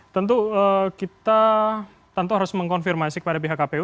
tentu kita tentu harus mengkonfirmasi kepada pihak kpu